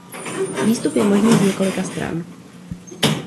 Výstup je možný z několika stran.